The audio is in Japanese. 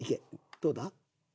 どうだ？